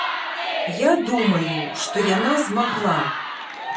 Я думаю, што яна змагла.